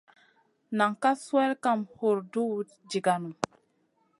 Nan ka swel kam hurduwda jiganou.